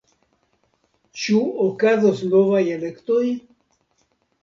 Ĉu okazos novaj elektoj?